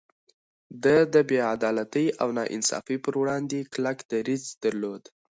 ده د بې عدالتۍ او ناانصافي پر وړاندې کلک دريځ درلود.